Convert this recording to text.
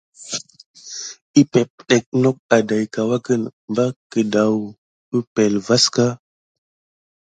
Eppipe nok adaïka wake bari kedaou epəŋle vaka.